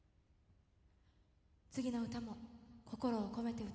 次の歌も心を込めて歌います。